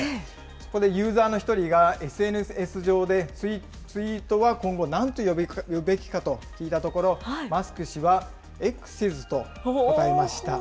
そこでユーザーの一人が、ＳＮＳ上で、ツイートは今後、なんと呼ぶべきかと聞いたところ、マスク氏は、Ｘ’ｓと答えました。